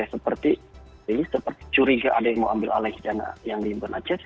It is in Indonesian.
seperti curiga ada yang mau ambil alih dana yang diimpon act